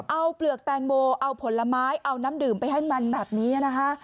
เอาเปลือกแตงโมเอาผลไม้เอาน้ำดื่มไปให้มันแบบนี้นะคะ